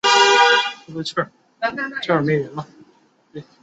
泰谢拉是葡萄牙波尔图区的一个堂区。